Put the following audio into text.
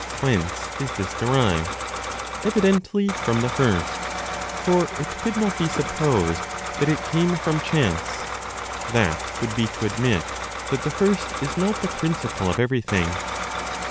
Whence is this derived? Evidently from the First, for it could not be supposed that it came from chance; that would be to admit that the First is not the principle of everything.